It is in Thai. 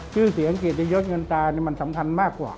ชื่อเสียงเกียรติยศเงินตามันสำคัญมากกว่า